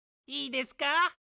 いいですか？